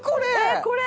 これ！